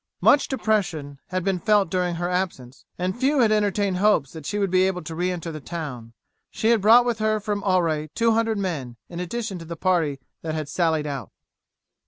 Much depression had been felt during her absence, and few had entertained hopes that she would be able to re enter the town. She had brought with her from Auray two hundred men, in addition to the party that had sallied out.